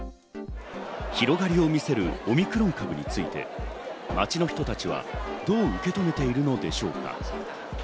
広がりを見せるオミクロン株について街の人たちはどう受け止めているのでしょうか。